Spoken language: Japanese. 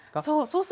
そう。